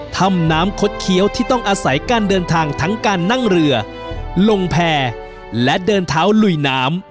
ถ้ำน้ำคดเคี้ยวที่ต้องอาศัยการเดินทางทั้งการนั่งเรือลงแพร่และเดินเท้าลุยน้ำ